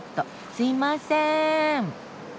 すいません。